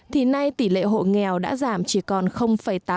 thì nay tỉ lệ hộ nghèo đã giảm chỉ còn tám mươi ba